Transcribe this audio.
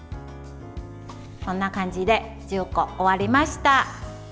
こんな感じで１０個、終わりました。